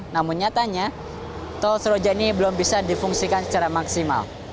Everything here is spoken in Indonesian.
namun nyatanya tol surabaya ini belum bisa difungsikan secara maksimal